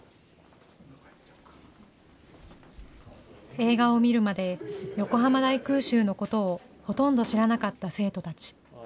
映画を見るまで、横浜大空襲のことをほとんど知らなかった生徒たち。